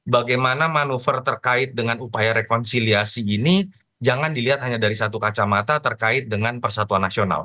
bagaimana manuver terkait dengan upaya rekonsiliasi ini jangan dilihat hanya dari satu kacamata terkait dengan persatuan nasional